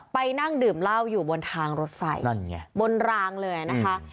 ไปนั่งดื่มเหล้าอยู่บนทางรถไฟนั่นไงบนรางเลยนะคะ